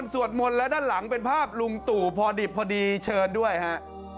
สวดมนต์และด้านหลังเป็นภาพลุงตู่พอดิบพอดีเชิญด้วยฮะ